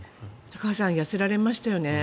高橋さん痩せられましたよね。